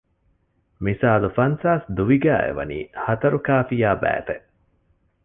މިސާލު ފަންސާސް ދުވި ގައި އެ ވަނީ ހަތަރުކާފިޔާ ބައިތެއް